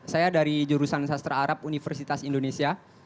saya dari jurusan sastra arab universitas indonesia